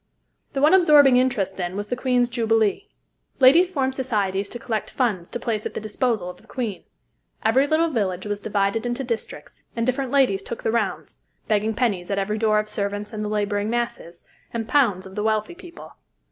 The one absorbing interest, then, was the Queen's Jubilee. Ladies formed societies to collect funds to place at the disposal of the Queen. Every little village was divided into districts, and different ladies took the rounds, begging pennies at every door of servants and the laboring masses, and pounds of the wealthy people.